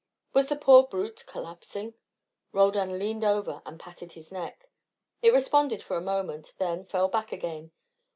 Was the poor brute collapsing? Roldan leaned over and patted his neck. It responded for a moment, then fell back again.